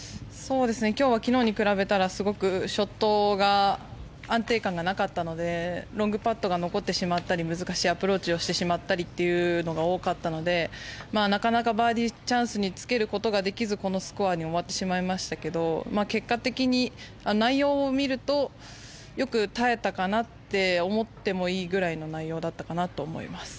今日は昨日に比べたらショットが安定感がなかったのでロングパットが残ってしまったり難しいアプローチをしてしまったのが多かったのでなかなかバーディーチャンスにつけることができずこのスコアに終わってしまいましたけど結果的に、内容を見るとよく耐えたかなって思ってもいいぐらいの内容だったかなと思います。